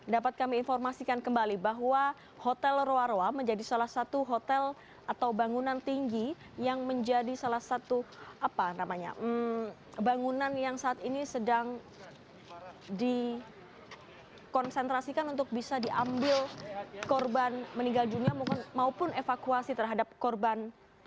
dapat kami informasikan kembali bahwa hotel rwarwa menjadi salah satu hotel atau bangunan tinggi yang menjadi salah satu bangunan yang saat ini sedang dikonsentrasikan untuk bisa diambil korban meninggal dunia maupun evakuasi terhadap korban